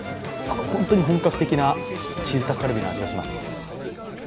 本当に本格的なチーズタッカルビの味がします。